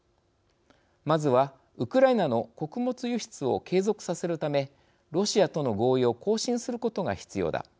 「まずは、ウクライナの穀物輸出を継続させるためロシアとの合意を更新することが必要だ」